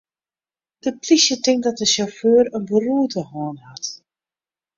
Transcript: De plysje tinkt dat de sjauffeur in beroerte hân hat.